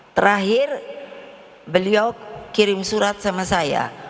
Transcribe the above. terakhir beliau kirim surat sama saya